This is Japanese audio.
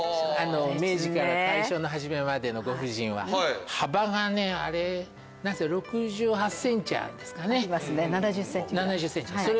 明治から大正の初めまでのご婦人は幅がねあれ６８ｃｍあるんですかねありますね